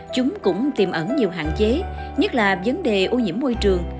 chúng cũng tìm ẩn nhiều hạn chế nhất là vấn đề ô nhiễm môi trường